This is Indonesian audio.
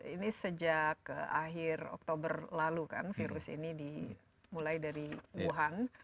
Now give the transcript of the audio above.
ini sejak akhir oktober lalu kan virus ini dimulai dari wuhan